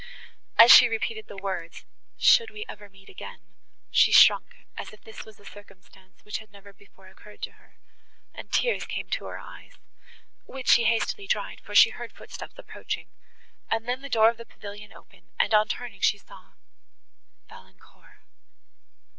As she repeated the words—"should we ever meet again!" she shrunk as if this was a circumstance, which had never before occurred to her, and tears came to her eyes, which she hastily dried, for she heard footsteps approaching, and then the door of the pavilion open, and, on turning, she saw—Valancourt.